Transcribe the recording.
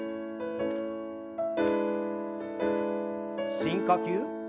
深呼吸。